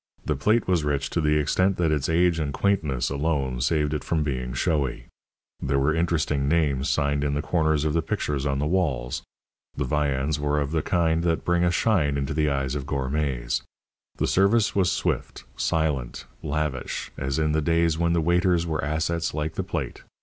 The plate was rich to the extent that its age and quaintness alone saved it from being showy; there were interesting names signed in the corners of the pictures on the walls; the viands were of the kind that bring a shine into the eyes of gourmets. The service was swift, silent, lavish, as in the days when the waiters were assets like the plate.